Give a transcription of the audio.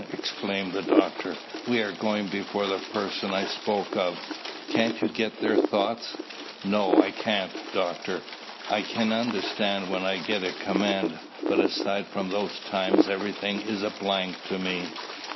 exclaimed the doctor. "We are going before the person I spoke of. Can't you get their thoughts?" "No, I can't, Doctor. I can understand when I get a command, but aside from those times everything is a blank to me."